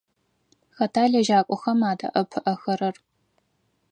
Хэта лэжьакӏохэм адэӏэпыӏэхэрэр?